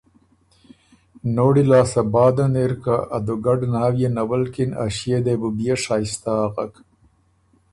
نوړی لاسته بعدن اِرکه ا دُوګډ ناويې نولکِن ا ݭيې دې بُو بيې شائستۀ اغک